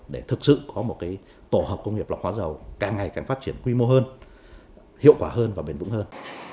để thực sự có một tổ hợp công nghiệp lọc hóa dầu càng ngày càng phát triển quy mô hơn hiệu quả hơn và bền vững hơn